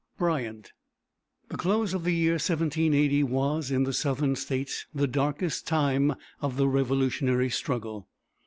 Bryant. The close of the year 1780 was, in the Southern States, the darkest time of the Revolutionary struggle.